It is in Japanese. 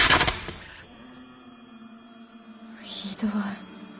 ひどい。